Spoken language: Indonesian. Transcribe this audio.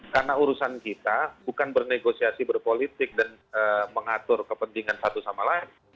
karena urusan kita bukan bernegosiasi berpolitik dan mengatur kepentingan satu sama lain